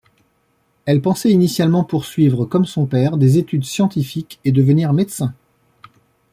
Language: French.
Elle pensait initialement poursuivre, comme son père, des études scientifiques et devenir médecin.